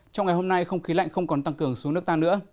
trong ngày hôm nay không khí lạnh không còn tăng cường xuống nước ta nữa